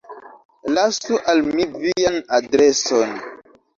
Lasu al mi vian adreson.